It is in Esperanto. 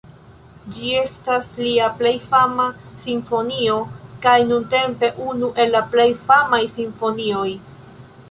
Ĝi estas lia plej fama simfonio, kaj nuntempe unu el la plej famaj simfonioj.